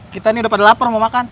kita ini udah pada lapar mau makan